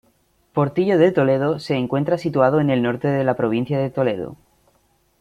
Portillo de Toledo se encuentra situado en el norte de la provincia de Toledo.